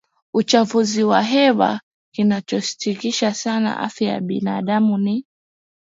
uchafuzi wa hewa kinachotishia sana afya ya binadamu ni